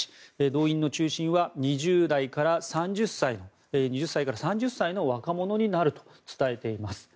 動員の中心は２０歳から３０歳の若者になると伝えています。